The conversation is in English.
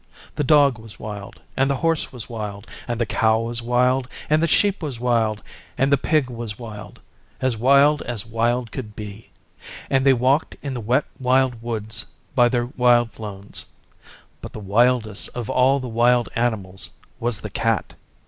The Dog was wild, and the Horse was wild, and the Cow was wild, and the Sheep was wild, and the Pig was wild as wild as wild could be and they walked in the Wet Wild Woods by their wild lones. But the wildest of all the wild animals was the Cat.